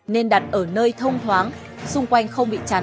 nên đặt ở nơi thông thoáng xung quanh không bị chặt